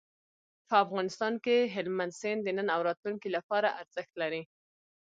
په افغانستان کې هلمند سیند د نن او راتلونکي لپاره ارزښت لري.